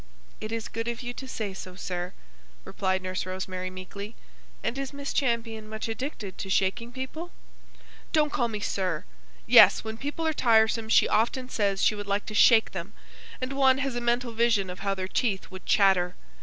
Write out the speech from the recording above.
"It is good of you to say so, sir," replied Nurse Rosemary, meekly. "And is Miss Champion much addicted to shaking people?" "Don't call me 'sir'! Yes; when people are tiresome she often says she would like to shake them; and one has a mental vision of how their teeth would chatter.